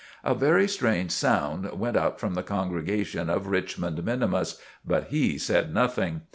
A very strange sound went up from the congregation of Richmond minimus, but he said nothing.